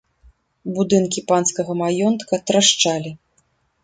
Будынкі панскага маёнтка трашчалі.